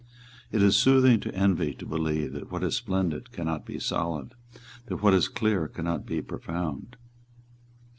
It is soothing to envy to believe that what is splendid cannot be solid, that what is clear cannot be profound.